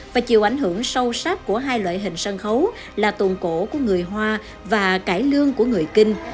và chiều ảnh hưởng sâu sát của hai loại hình sân khấu là tồn cổ của người hoa và cải lương của người kinh